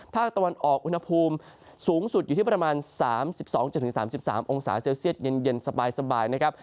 ภาคตะวันออกอุณหภูมิสูงสุดอยู่ที่ประมาณ๓๒๓๓องศาเซลเซียตเย็นสบายนะครับ